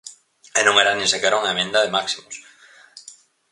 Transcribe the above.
E non era nin sequera unha emenda de máximos.